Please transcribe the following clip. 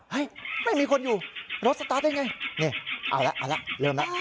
เห้ยไม่มีคนอยู่รถเริ่มแล้ว